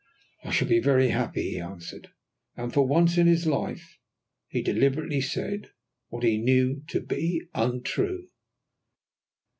"I shall be very happy," he answered. And for once in his life he deliberately said what he knew to be untrue.